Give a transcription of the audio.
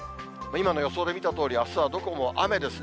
今の予想で見たとおり、あすはどこも雨ですね。